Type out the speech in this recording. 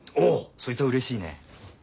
そいつはうれしいね。